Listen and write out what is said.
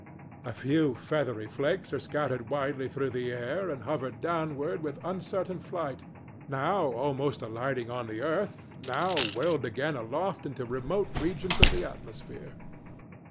A few feathery flakes are scattered widely through the air and hover downward with uncertain flight, now almost alighting on the earth, now whirled again aloft into remote regions of the atmosphere.